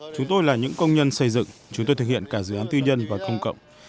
chúng tôi là những công nhân xây dựng chúng tôi thực hiện cả dự án tư nhân và công cộng